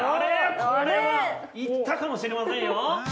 これはいったかもしれませんよ。